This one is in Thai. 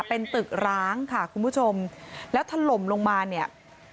เป็นตึกร้างค่ะคุณผู้ชมแล้วถล่มลงมาเนี่ย